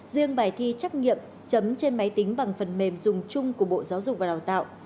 riêng bài thi trắc nghiệm chấm trên máy tính bằng phần mềm dùng chung của bộ giáo dục và đào tạo